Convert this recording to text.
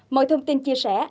mọi thông tin chia sẻ